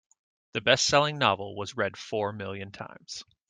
The bestselling novel was read four million times.